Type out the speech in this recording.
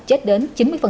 chết đến chín mươi